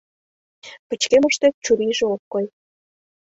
— Пычкемыште чурийже ок кой...